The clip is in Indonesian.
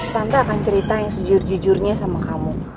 tante akan ceritain sejujurnya sama kamu